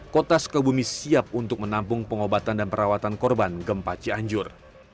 kota sukabumi siap untuk menampung pengobatan dan perawatan korban gempa cianjur